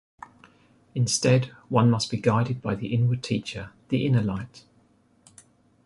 Instead one must be guided by the Inward Teacher, the Inner Light.